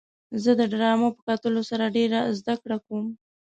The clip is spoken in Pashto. زه د ډرامو په کتلو سره ډېره زدهکړه کوم.